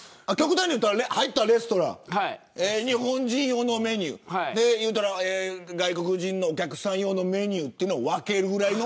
入ったレストラン日本人用のメニューと外国人のお客さん用のメニューを分けるぐらいの。